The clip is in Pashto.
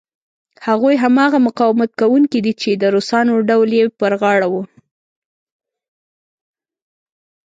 هغوی هماغه مقاومت کوونکي دي چې د روسانو ډول یې پر غاړه و.